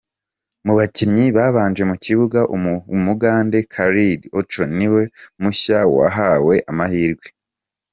Mu bakinnyi babanje mu kibuga, Umugande Khalid Aucho niwe mushya wahawe amahirwe.